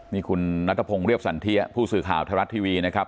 นี่คุณนัทพงศ์เรียบสันเทียผู้สื่อข่าวไทยรัฐทีวีนะครับ